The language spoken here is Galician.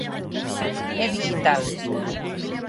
É dixital.